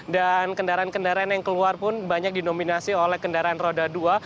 dan kendaraan kendaraan yang keluar pun banyak dinominasi oleh kendaraan roda dua